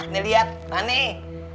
nih liat nih